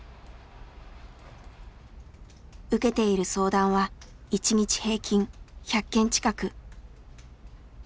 受けている相談は１日平均１００件近く。